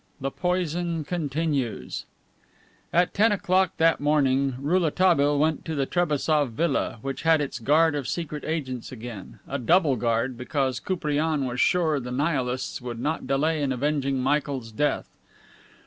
'" XI. THE POISON CONTINUES At ten o'clock that morning Rouletabille went to the Trebassof villa, which had its guard of secret agents again, a double guard, because Koupriane was sure the Nihilists would not delay in avenging Michael's death.